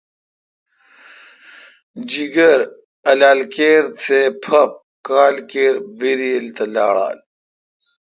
جیکر، الالکر، تھے پھپ کھال کِربرییل تہ لاڑال۔